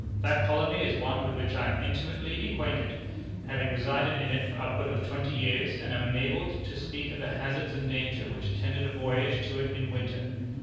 That colony is one with which I am intimately acquainted, having resided in it for upward of twenty years, and am enabled to speak of the hazards and danger which attend a voyage to it in winter.